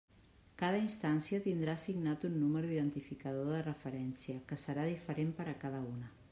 Cada instància tindrà assignat un número identificador de referència, que serà diferent per a cada una.